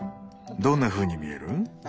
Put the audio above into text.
どんなふうに見える？